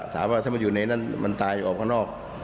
ถามว่าถ้ามันอยู่ในนั้นมันตายออกข้างนอก